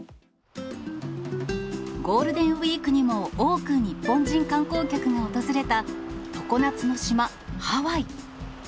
ゴールデンウィークにも、多く日本人観光客が訪れた、常夏の島、ハワイ。